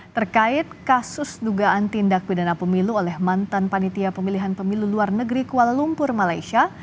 terkait kasus dugaan tindak pidana pemilu oleh mantan panitia pemilihan pemilu luar negeri kuala lumpur malaysia